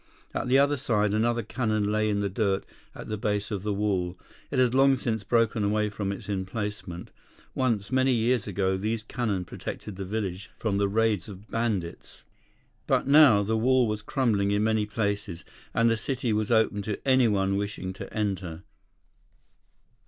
At the other side, another cannon lay in the dirt at the base of the wall. It had long since broken away from its emplacement. Once, many years ago, these cannon protected the village from the raids of bandits. But now, the wall was crumbling in many places, and the city was open to anyone wishing to enter.